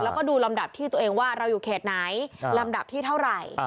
แล้วก็ดูลำดับที่ตัวเองว่าเราอยู่เขตไหนลำดับที่เท่าไหร่